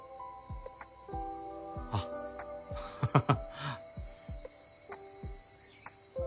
あハハハ！